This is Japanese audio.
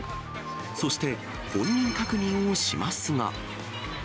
そして、本人確認をしますが。